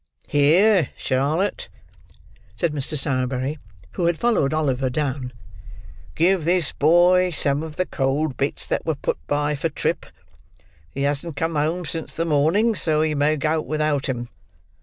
"Here, Charlotte," said Mr. Sowerberry, who had followed Oliver down, "give this boy some of the cold bits that were put by for Trip. He hasn't come home since the morning, so he may go without 'em.